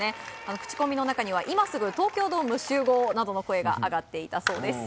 口コミの中には今すぐ東京ドーム集合などの声が上がっていたそうです。